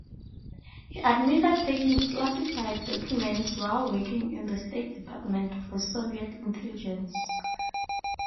He admitted taking classified documents while working in the State Department for Soviet intelligence.